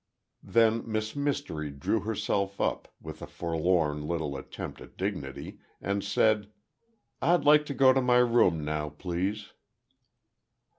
Then Miss Mystery drew herself up, with a forlorn little attempt at dignity, and said, "I'd like to go to my room now, please."